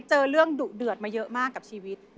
เจอเรื่องดุเดือดมาเยอะมากกับชีวิต